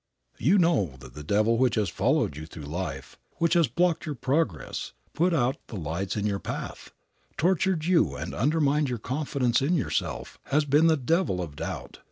You know that the devil which has followed you through life, which has blocked your progress, put out the lights in your path, tortured you and undermined your confidence in yourself, has been the devil of doubt.